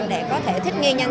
để có thể thích nghiên nhanh